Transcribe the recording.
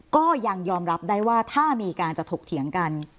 ก็ยังยอมรับได้ว่าถ้ามีการจะถกเถียงกัน